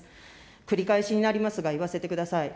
繰り返しになりますが、言わせてください。